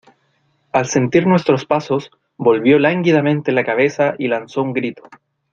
al sentir nuestros pasos volvió lánguidamente la cabeza y lanzó un grito: